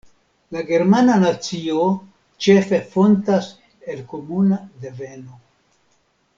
La germana nacio ĉefe fontas el komuna deveno.